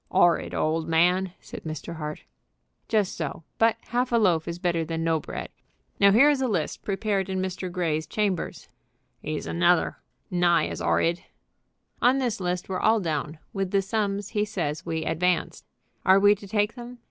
"'Orrid old man!" said Mr. Hart. "Just so. But half a loaf is better than no bread. Now, here is a list, prepared in Mr. Grey's chambers." "'E's another, nigh as 'orrid." "On this list we're all down, with the sums he says we advanced. Are we to take them?